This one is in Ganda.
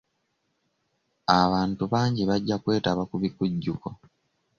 Abantu bangi bajja kwetaba ku bikujjuko.